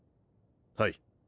はい。